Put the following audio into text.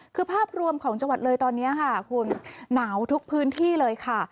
คือภาพรวมของจังหวัดเลยตอนนี้ค่ะคุณหนาวทุกพื้นที่เลยค่ะ